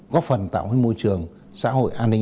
góp phần tạo hình môi trường xã hội an ninh an